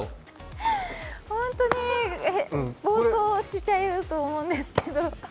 本当に暴投しちゃうと思うんですけど。